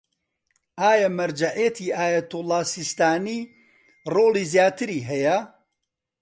ئایا مەرجەعیەتی ئایەتوڵا سیستانی ڕۆڵی زیاتری هەیە؟